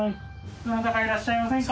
どなたかいらっしゃいませんか？